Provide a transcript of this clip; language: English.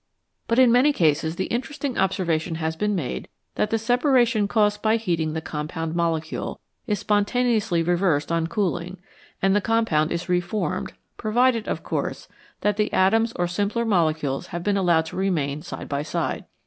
But in many cases the interesting observation has been made that the separation caused by heating the compound molecule is spontaneously reversed on cooling, and the compound is re formed, provided, of course, that the atoms or simpler molecules have been allowed to remain side by side.